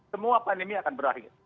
semua pandemi akan berakhir